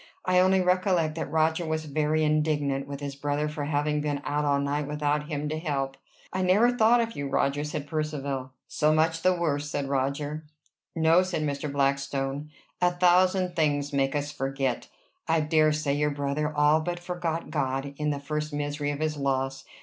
I only recollect that Roger was very indignant with his brother for having been out all night without him to help. "I never thought of you, Roger," said Percivale. "So much the worse!" said Roger. "No," said Mr. Blackstone. "A thousand things make us forget. I dare say your brother all but forgot God in the first misery of his loss.